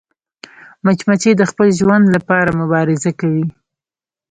مچمچۍ د خپل ژوند لپاره مبارزه کوي